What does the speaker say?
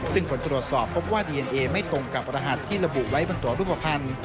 ซึ่งผลตรวจสอบพบว่าดีเอ็นเอไม่ตรงกับรหัสที่ระบุไว้บนตัวรูปภัณฑ์